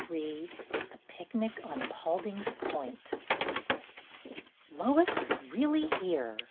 Ill THE PICNIC ON Paulding's point '' T OIS is really here!"